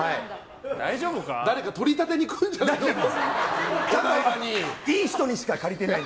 誰か取り立てに来るんじゃないの？